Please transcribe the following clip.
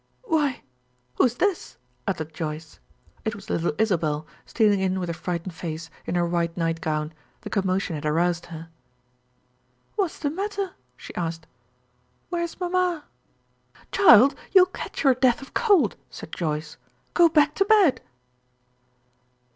"Why who's this?" uttered Joyce. It was little Isabel, stealing in with a frightened face, in her white nightgown. The commotion had aroused her. "What's the matter?" she asked. "Where's mamma?" "Child, you'll catch your death of cold," said Joyce. "Go back to bed."